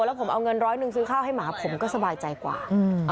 แล้วผมเอาเงินร้อยหนึ่งซื้อข้าวให้หมาผมก็สบายใจกว่า